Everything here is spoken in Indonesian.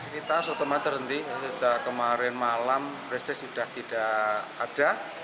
kita sudah terhenti kemarin malam prestasi sudah tidak ada